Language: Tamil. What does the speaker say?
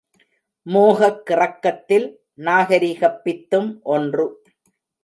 மோகக் கிறக்கத்தில் நாகரிகப் பித்தும் ஒன்று.